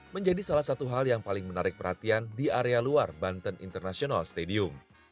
menjadi salah satu hal yang paling menarik perhatian di area luar banten international stadium